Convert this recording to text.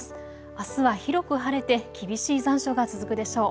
あすは広く晴れて厳しい残暑が続くでしょう。